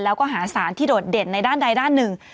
แล้วก็หาสารที่โดดเด่นในด้านใดด้านหนึ่ง